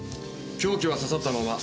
凶器は刺さったまま。